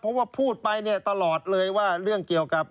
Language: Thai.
เพราะว่าพูดไปเนี่ยตลอดเลยว่าเรื่องเกี่ยวกับ